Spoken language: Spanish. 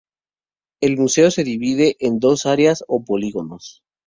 El Museo se divide en dos áreas o polígonos.